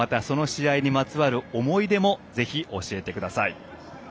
まつわる思い出もぜひ教えてください。